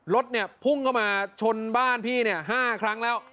รถเนี่ยพุ่งเข้ามาชนบ้านพี่๕ครั้งแล้ว